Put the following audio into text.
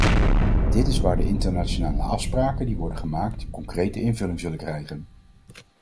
Dit is waar de internationale afspraken die worden gemaakt, concrete invulling zullen krijgen.